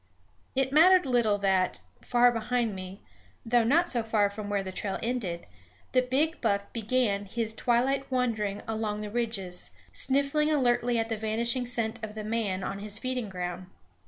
It mattered little that, far behind me (though not so far from where the trail ended), the big buck began his twilight wandering along the ridges, sniffing alertly at the vanishing scent of the man on his feeding ground.